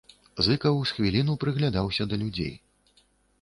Зыкаў з хвіліну прыглядаўся да людзей.